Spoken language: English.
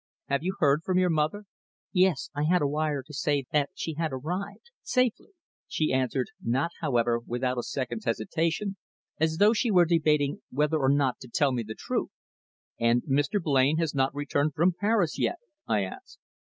"Have you heard from your mother?" "Yes, I had a wire yesterday to say that she had arrived, safely," she answered, not, however, without a second's hesitation, as though she were debating whether or no to tell me the truth. "And Mr. Blain has not returned from Paris yet?" I asked.